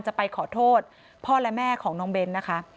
จะไปขอโทษพ่อและแม่ของน้องเบ้นนะคะ